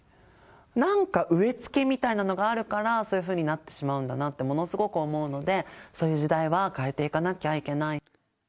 なんか植え付けみたいなのがあるから、そういうふうになってしまうんだなってものすごく思うので、そういう時代は変えていかなきゃいけない。